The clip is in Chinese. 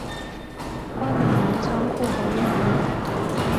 逛完仓库和运河了